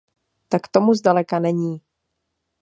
Tak tomu zdaleka není.